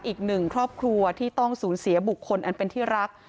อีกหนึ่งครอบครัวที่ต้องสูญเสียบุคคลอันเป็นที่รัก